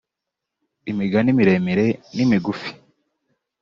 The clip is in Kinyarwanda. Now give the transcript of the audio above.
imigani miremire n’imigufi